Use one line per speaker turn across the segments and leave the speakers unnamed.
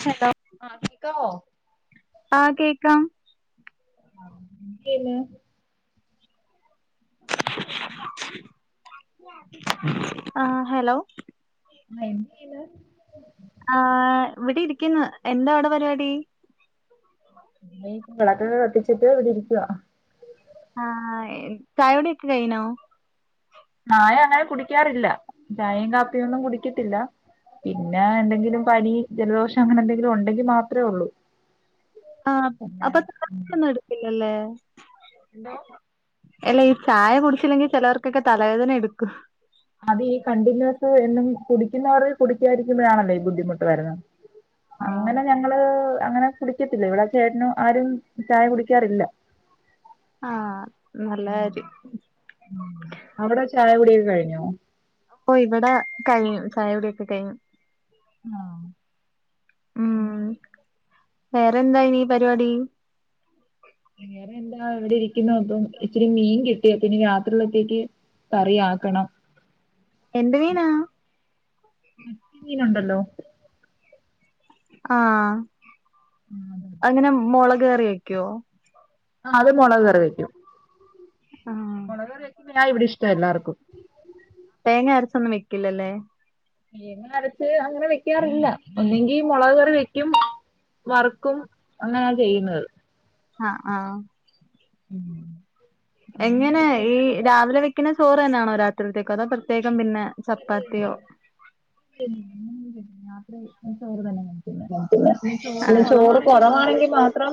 ച്ച്ണ്ടാ [unintelligible]
ആഹ് കേക്കാവോ
ആഹ് കേക്കാം.
ആഹ് ന്ത് ചെയ്യുന്നേ
ആഹ് ഹലോ
ആഹ് എന്ത് ചെയ്ന്നേ
ആഹ് ഇവിടെ ഇരിക്ക്‌ന്ന് എന്താ അവിടെ പരിപാടി
[unintelligible] വിളക്കൊക്കെ കത്തിച്ചിട്ട് ഇവിടെ ഇരിക്കുവ
ആഹ് എ ചായുടിയൊക്കെ കഴിനോ
ന്നായ അങ്ങനെ കുടിക്കാറില്ല ചായയും കാപ്പിയും ഒന്നും കുടിക്കത്തില്ല പിന്നെ എന്തെങ്കിലും പനി, ജലദോഷം അങ്ങനെ എന്തെങ്കിലും ഉണ്ടെങ്കിൽ മാത്രേ ഒള്ളൂ
ആഹ്
പിന്നെ
അപ്പൊ [unintelligible]
ഉം,
യൊന്നും എടുക്കില്ലല്ലേ
എന്തോ
അല്ല ഈ ചായ കുടിച്ചില്ലെങ്കിൽ ചിലവർക്കൊക്കെ തലവേദന എടുക്കും
അത് ഈ കണ്ടിന്യൂസ് എന്നും കുടിക്കുന്നവര് കുടിക്കായിരിക്കുമ്പോഴാണല്ലേ ഈ ബുദ്ധിമുട്ട് വരുന്നത്
ആ
അങ്ങനെ ഞങ്ങള് അങ്ങനെ കുടിക്കത്തില്ല ഇവിടെ ചേട്ടനും ആരും ചായ കുടിക്കാറില്ല
ആഹ് നല്ലകാര്യം
ഉം അവിടെ ചായ കുടിയൊക്കെ കഴിഞ്ഞോ
ഓ ഇവിടെ കഴിഞ്ഞു ചായകുടിയൊക്കെ കഴിഞ്ഞു
ആഹ്
ഉം വേറെന്തായിനീ പരിപാടി
വേറെ എന്താ ഇവിടെ ഇരിക്കുന്നു അപ്പം ഇച്ചിരി മീൻ കി ട്ടി അപ്പയിനി രാത്രിയിലത്തേക്ക് കറിയാക്കണം
എന്ത് മീനാ
വറ്റ മീൻ ഉണ്ടല്ലോ
ആഹ്
ആ അത്
എങ്ങന മൊളക് കറിയെക്കോ
ആഹ് അത് മുളക് കറി വെക്കും
ആഹ്
മുളക് കറി വെയ്ക്കുന്നാ ഇവിടെ ഇഷ്ടം എല്ലാർക്കും
തേങ്ങ അരച്ചൊന്നും വെക്കില്ലല്ലേ?
തേങ അരച്ച് അങ്ങനെ വെക്കാറില്ല. ഒന്നങ്കി മുളക് കറി വെക്കും, വർക്കും അങ്ങനെയാണ് ചെയ്യുന്നത്.
ആഹ.
[inaudible] തേങ്ങ
എങ്ങനെ
അരച്ച്
ഈ, രാവിലെ വെക്കുന്ന ചോറ് തന്നെയാണോ? രാത്രിത്തേക്കോ, അതോ പ്രത്യേകം പിന്നെ, ചപ്പാത്തിയോ,
വെക്കാറില്ല. [unintelligible]
അല്ല ചോറ് കുറവാണെങ്കി മാത്രം.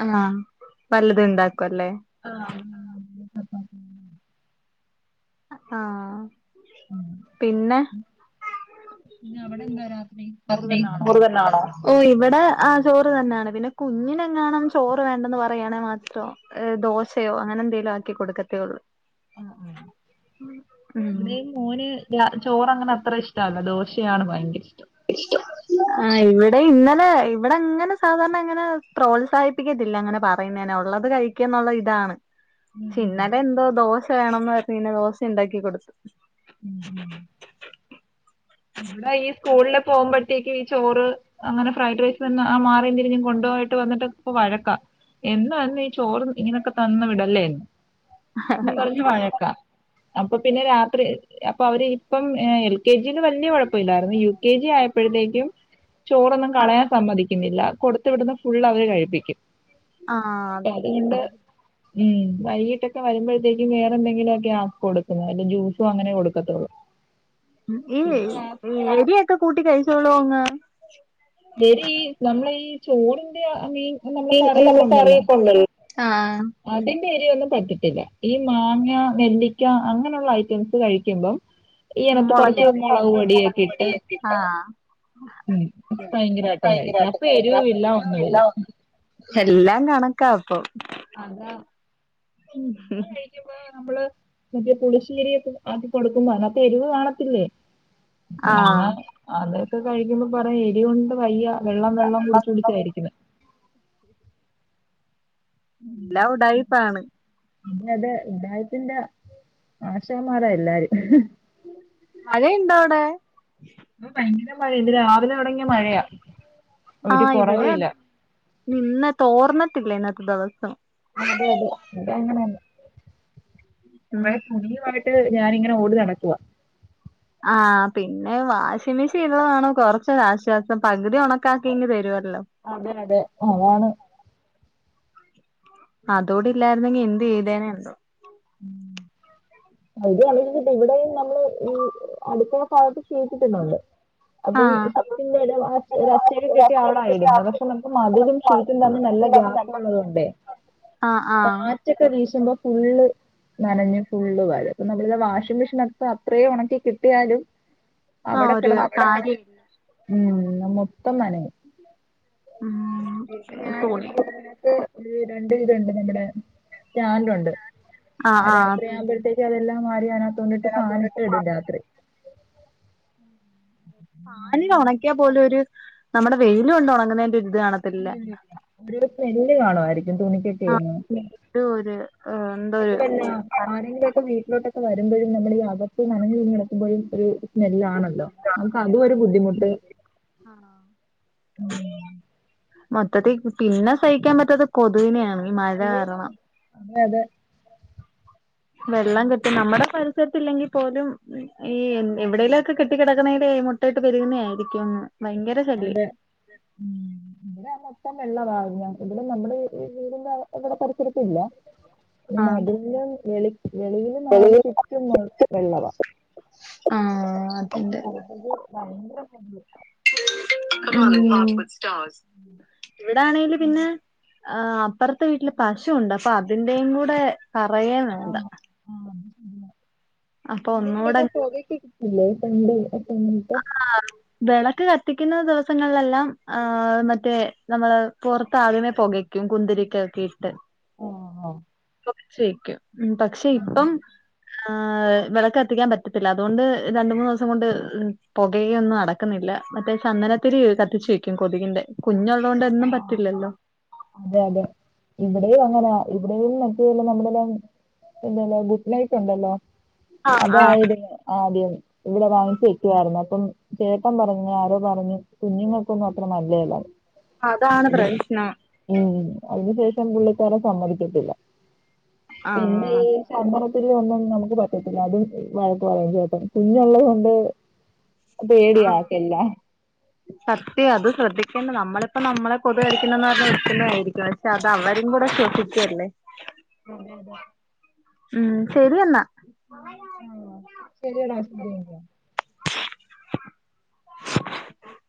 ആഹ വല്ലതും ഉണ്ടക്കും അല്ലേ.
ആഹാ.
ആഹ
ഉം.
പിന്നെ.
ഇന്ന അവിടെ എന്താ രാത്രി ചോറ് തന്നൊണോ?
ചോറ് തന്നാണോ ഓ ഇവിടെ ആഹാ ചോറ് തന്നെയാണ്, പിന്നെ കുഞ്ഞിനെങ്ങണം ചോറ് വേണ്ടന്ന് പറയണെ മാത്രോ. ദോശയോ അങ്ങനെ എന്തേങ്കലും ആക്കി കൊടുക്കത്തേ ഉള്ളൂ.
ആഹാ...
ഉം...
മോന് ചോറ അങ്ങനെ അത്ര ഇഷ്ടമല്ല, ദോശയാണ് ഭയങ്കര ഇഷ്ടം.
[unintelligible] ആ് ഇവിടെ ഇന്നലെ ഇവിടെ- അങ്ങനെ സാധാരണ അങ്ങനെ- പ്രോത്സാഹിപ്പിക്കത്തില്ല അങ്ങനെ. ഇങ്ങനെ ഉള്ളത് കഴിക്കുകന്നുള്ള ഇതാണ്.
ഉം ഉം.
പിന്നലെ എന്തോ ദോശ വേണന്ന് പറഞ്ഞു, ദോശ ഉണ്ടാക്കി കൊടുത്തു.
ഉം ഉം... ഇവിടെ ഈ സ്കൂളില്- പോകുമ്പോഴത്തേക്ക്- ചോറ് അങ്ങനെ ഫ്രൈഡ് റൈസ് തന്നെ ആ മാറി തിരിഞ്ഞ്ഞ കൊുപ പോയിട്ട് വന്നിട്ട് ഇപ്പ വഴക്കാം. എന്നൊന്നും ഈ ചോറും, ഇങ്ങനൊക്കെ തന്ന് വിടല്ലേ. എന്നും പറഞ്ഞ് വഴക്കാം അപ്പോ- പിന്നെ രാത്രി അപ്പോ അവര് ഇപ്പം എൽ. കെ. ജി. വലിയ കുഴപ്പില്ലായിരുന്നു യു. കെ. ജി ആയപ്പോഴത്തേക്കും- ചോറോന്നും കളയാൻ സമ്മതിക്കുന്നില്ല. കൊടുത്ത് വിടുന്ന ഫുള്ള് അവര്- കഴിപ്പിക്കും
ആഹ്
അപ്പോ
അതെ
അതുകൊണ്ട്- ഉം വൈകീട്ടൊക്കെ വരുമ്പോഴത്തേക്കും വേറെ എന്തെങ്കിലും ഒക്കെയാ കൊടുക്കുന്ന. വല്ല ജ്യൂസോ, അങ്ങനെ കൊടുക്കത്തുള്ളൂ.
ഉം ഈ
പിന്നെ
എരിയൊക്കെ കൂട്ടി കഴിച്ചോളൂ അങ്ങ്.
ഇവര് ഈ നമ്മളെ ഈ ചോറിന്റെ മീൻ- നമ്മള്
നല്ല
കറിയൊക്കെ ഉണ്ടല്ലോ
കറിയൊക്കണ്ടല്ലോ ആഹ്..
അതിന്റെ എരുവൊന്നും പറ്റത്തില്ല. ഈ മാങ്ങ, നെല്ലിക്ക- അങ്ങനെയുള്ള ഐറ്റംസ് കഴിക്കുമ്പം. ഈ ഇനത്ത് കൊറച്ച്
അതിനകത്ത്
മുളക്,
കുറച്ച്
പൊടിയൊക്കെ ഇട്ട്
പൊടിയൊക്കെ ഇട്ടാ
ഉം. ഭയങ്കരമായിട്ട് കഴിക്കും
ഭയങ്കരമായിട്ടും
അപ്പോ എരിവും
കഴിക്കാം
ഇല്ല
പിന്നെ
ഒന്നുമില്ല.
എല്ലാം എല്ലാം കണക്കാ അപ്പോ.
അതാ അത് നമ്മള് മറ്റെ പുളിശ്ശേരിയൊക്കെ ആക്കി കൊടുക്കുമ്പോ- അതിനകത്തു എരിവ് കാണത്തില്ലേ? എന്നാ
ആഹ്
അതൊക്കെ കഴിക്കുമ്പ പറയാ എരി കൊണ്ട് വയ്യ വെള്ളം, വെള്ളം കുടിച്ച്, കുടിച്ചായിരിക്കുന്നെ.
[inaudible] എല്ലാം ഉഡായിപ്പാണ്
പിന്ന അത് ഉഡായിപ്പിന്റെ മാഷാമ്മാര എല്ലാരും.
മഴയുണ്ടോ അവിടെ?
ഭയങ്കര മഴയ ഇന്ന് രാവിലെ തുടങ്ങിയ മഴയാ. ഒരു
ആഹ് ഇവിടേം
കുറവുമില്ല
അതെ, നിന്ന് ത്തോർന്നിട്ടില്ല ഇന്നത്തെ ദിവസം.
അതെ അതെ അതങ്ങനെയന്നെ
ഉം
കൊറേ തുണിയായിട്ട് ട്ട് ഞാനിങ്ങനെ ഓടി നടക്കുവാ
ആഹ് പിന്നെ വാഷിംഗ് മെഷീൻ ഉള്ളതണ് കൊറച്ച് ഒരാശ്വാസം പകുതി ഉണക്കാക്കിയിങ്ങ് തരുവല്ലോ?
അതെ അതെ അതാണ്.
അതോടി ഇല്ലായിരുന്നെങ്കി എന്ത് ചെയ്തേനെ എന്തോ
അവിടെയും ഇവിടെയും നമ്മള് ഈ അടുക്കള ഭാഗത്ത് വീട്ട്തന്നെ ഉണ്ട്. അപ്പം സീറ്റിന്റെ ഇട ഒര അത്യാ [unintelligible] അവിടെ ആയിരുന്നു. പക്ഷെ നമുക്ക് മതിലും ഷീറ്റ് തമ്മിൽ നല്ല ഗ്യാപ്പ് ഉള്ളതോണ്ട്
ആഹ് ആഹ്
റ്റ് വീശുമ്പോ ഫുള്ള് നനഞ്ഞ് ഫുള്ള് വാലും നമ്മള് ഇത് വാഷിംഗ് മെഷീനിലോക്കെ അത്രയും ഉണക്കി കിട്ടിയാലും
ആഹ്
അവിടെ
ഒരു
കിടന്നിട്ട് ആഹ
കാര്യം
ഉും മൊത്തം നനയും
[unintelligible]
ഇപ്പ ഞാൻ
തുണി
ഇവിടെ നിന്നിട്ട് രണ്ട് വിതണ്ട് നമ്മടെ സ്റ്റാന്റുണ്ട്
ആഹ്
ആഹാ
ആഹ്
രാത്രി ആകുമ്പോഴ്ത്തേക്ക് അതെല്ലാം വാരി അതിനകത്തൊണ്ടിട്ട് ഫാനിട്ട്
ഇതിനകത്തോണ്ടിട്ട്
ഇടും രാത്രി
[unintelligible] ഫാനില് ഉണക്കിയാ പോലും ഒരു നമ്മടെ വെയിൽ കൊണ്ട് ഉണങ്ങുന്നതിന്റെഒരിത് കാണ
ഉം ഒരു സ്മെല്ല് കാണുമായിരിക്കും തുണിക്കൊക്കെ
ന്തോ ഒരു ആഹ്
കൊയപ്പല്ല ആരെങ്കിലും ഒക്കെ വിട്ടി വീട്ടിലോട്ടൊക്കെ വരുമ്പോഴും നമ്മൾ ഈ അകത്ത് നനഞ്ഞ് തുണി കിടക്കുമ്പോഴും ഒരു സ്മെല്ലാണല്ലോ നമക്ക അതും ഒരു ബുദ്ധിമുട്ട്
ആഹ് ആഹ് മൊത്തത്തിൽ പിന്നെ സഹിക്കാൻ പറ്റാത് കൊതുവിനെയാണ് ഈ മഴ
അയ്യോ
കരണം
അതെ
വെള്ളം കെട്ടി നമ്മുടെ പരിസരത്ത് ഇല്ലെങ്കിൽ പോലും ഈ എവിടെലും ഒക്കെ കെട്ടിക്കിടക്ക ത്ണെടെ മുട്ടയിട്ട് പെരുകുന്നതായിരിക്കും ഭയങ്കര
അതെ
[unintelligible]
ഇവിടെ മൊത്തം വെള്ള വാ ഇവിടെ നമ്മുടെ വീടിന്ന് ഇവിടെ പരിസരത്ത ഇല്ല ഈ
ആഹ്
മതിൽൻ്റെ വെളി വെളിയിൽ നാല് ചുറ്റും വെള്ളവാ
ആഹ് അതുണ്ട്
[unintelligible]
[inaudible] ഇവ്ടാനെല് പിന്നെ ആഹ് അപ്പർത്തെ വീട്ടിൽ പശുണ്ട് അപ്പൊ അതിന്റെയും കൂടെ പറയേൻവേണ്ട
ആണോ?
ഒന്നുകൂടെ
എന്തെങ്കിലൊക്കെ പോകേക്കില്ലേ [unintelligible]
ആഹ് വിളക്ക് കത്തിക്കുന്ന ദിവസങ്ങളിലെല്ലാം ആഹ് മറ്റേ നമ്മള് പുറത്ത് ആദ്യമേപുകയ്ക്കും രും കുന്തിരിക്ക ക്കെഇട്ട്
[unintelligible]
ശയ്ക്കും ഉും പക്ഷെ
ആഹ്
ഇപ്പം ആഹാ വിളക്ക്ത്തിക്കാൻ പറ്റത്തില്ല അതുകൊണ്ട് രണ്ട് മൂന്ന് ദിവസം കൊണ്ട് പുകയൊന്നും നടക്കുന്നില്ല മറ്റേ ചന്ദനത്തിരി കത്തിച്ചു വയ്ക്കും കൊതികിന്റെ കുഞ്ഞുള്ളോണ്ട് എന്നും
ആഹ്
പറ്റില്ലല്ലോ
അതെ അതെ ഇവിടെയും അങ്ങനെ ഇവിടെയും പറ്റില്ല നമ്മുടെല്ലാം എന്തല്ലോ കുഡ്നൈറ്റ് ഉണ്ടല്ലോ?
ആഹ് ആഹ്
അതായിരുന്നു ആദ്യം ഇവിടെ വാങ്ങിച്ച് വേക്കുവായിരുന്നു അപ്പം ചേട്ടൻ പറഞ്ഞ് ആരോ പറഞ്ഞ് കുഞ്ഞിങ്ങൾ കൊനും ആ ത്ര നല്ലല്ല
അതാണ് പ്രശ്ണം
മ് അതിന് ശേഷം പുള്ളിക്കാരൻ സമ്മതികതില്ല പി [unintelligible]
ആഹ്
ചന്ദനതിരി ഒന്നും നമുക്ക് പറ്റത്തില്ല അതും വഴക്ക് പറയും ചേട്ടൻ കുഞ്ഞുള്ളതൊണ്ട് പേടി ആക്കല്ല
സത്യ അത് ശ്രദ്ധിക്കേണ്ട നമ്മളിപ്പ നമ്മളെ കൊതു കടിക്കണന്ന് [unintelligible] അത അവരും കൂടെ ഷേധിക്കല്ലേ
[unintelligible]
മ് ശരി എന്നാ
ശരിടാ [unintelligible]
[inaudible]